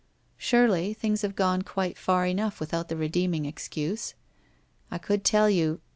Surely things have gone quite far enough without the redeeming excuse? I could tell you.